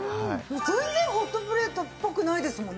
全然ホットプレートっぽくないですもんね。